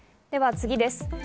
では、次です。